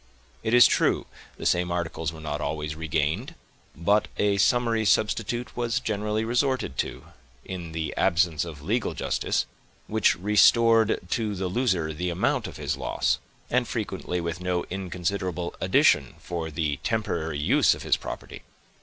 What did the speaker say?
It is true, the same articles were not always regained; but a summary substitute was generally resorted to, in the absence of legal justice, which restored to the loser the amount of his loss, and frequently with no inconsiderable addition for the temporary use of his property.